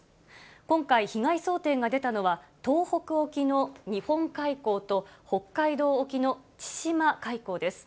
今回、被害想定が出たのは、東北沖の日本海溝と、北海道沖の千島海溝です。